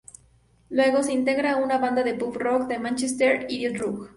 Luego, se integra a una banda de pub rock de Mánchester, Idiot Rouge.